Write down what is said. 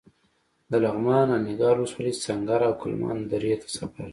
د لغمان الینګار ولسوالۍ سنګر او کلمان درې ته سفر.